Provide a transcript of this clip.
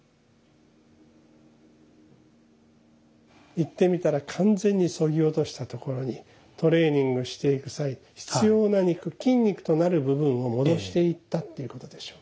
言ってみたら完全にそぎ落としたところにトレーニングしていく際必要な肉筋肉となる部分を戻していったっていうことでしょう。